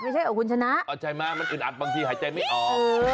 ไม่ใช่เหรอคุณชนะเอาใช่ไหมมันอึดอัดบางทีหายใจไม่ออก